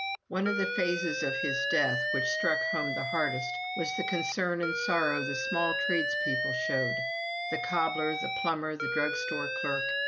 One of the phases of his death which struck home the hardest was the concern and sorrow the small tradespeople showed the cobbler, the plumber, the drug store clerk.